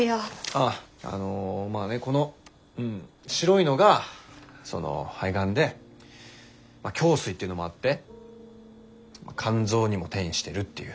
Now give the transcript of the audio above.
あっあのまあねこの白いのがその肺がんで胸水っていうのもあって肝臓にも転移してるっていう。